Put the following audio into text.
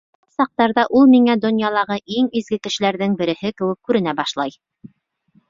Был саҡтарҙа ул миңә донъялағы иң изге кешеләрҙең береһе кеүек күренә башлай.